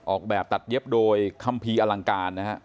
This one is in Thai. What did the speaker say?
ออกแบบตัดเย็บโดยคัมภีร์อลังการนะฮะ